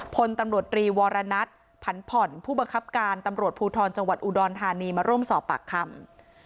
พลตำรวจรีวรณัฐผันผ่อนผู้บังคับการตำรวจภูทรจังหวัดอุดรธานีมาร่วมสอบปากคำ